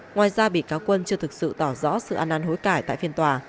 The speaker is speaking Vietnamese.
ngoài ra bị cáo quân chưa thực sự tỏ rõ sự ăn năn hối cải tại phiên tòa